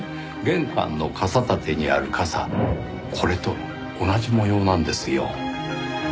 玄関の傘立てにある傘これと同じ模様なんですよ。